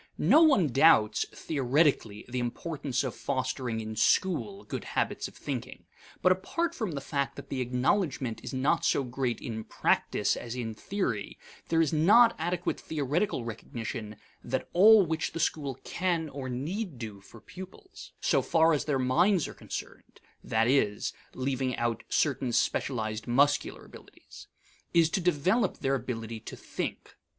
No one doubts, theoretically, the importance of fostering in school good habits of thinking. But apart from the fact that the acknowledgment is not so great in practice as in theory, there is not adequate theoretical recognition that all which the school can or need do for pupils, so far as their minds are concerned (that is, leaving out certain specialized muscular abilities), is to develop their ability to think.